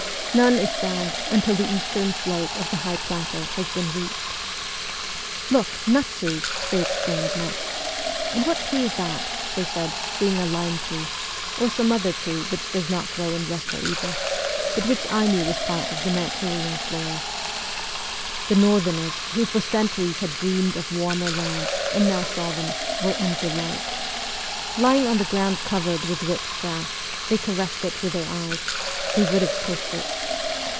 None is found until the eastern slope of the high plateau has been reached. ' Look, nut trees !' they exclaimed next. ' And what tree is that ?' they said, seeing a lime tree, or some other tree which does not grow in Eussia either, but which I knew as part of the Manchurian flora. The northerners, who for centuries had dreamed of warmer lands, and now saw them, were in delight. Lying on the ground covered with rich grass, they caressed it with their eyes they would have kissed it.